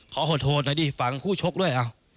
ขอโทษโทษหน่อยดิฝากคู่ชกด้วย